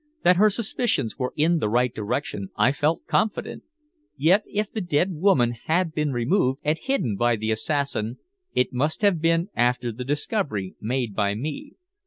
That her suspicions were in the right direction I felt confident, yet if the dead woman had been removed and hidden by the assassin it must have been after the discovery made by me.